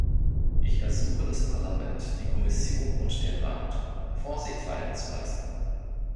Ich ersuche das Parlament, die Kommission und den Rat, Vorsicht walten zu lassen.